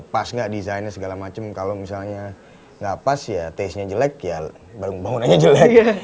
pas nggak desainnya segala macam kalau misalnya nggak pas ya taste nya jelek ya baru bangunannya jelek